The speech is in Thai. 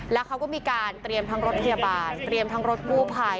แล้วเขาก็มีการเตรียมทั้งรถพยาบาลเตรียมทั้งรถกู้ภัย